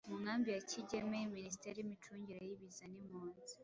Mu nkambi ya Kigeme ministeri y’ imicungire y’ ibiza n’ impunzi